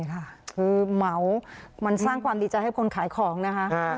คือเหมามันสร้างความดีใจให้คนขายของนะคะ